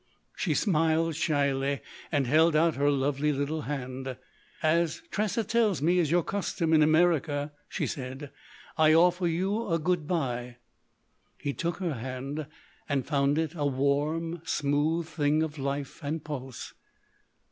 She smiled shyly and held out her lovely little hand, "—As Tressa tells me is your custom in America," she said, "I offer you a good bye." He took her hand and found it a warm, smooth thing of life and pulse.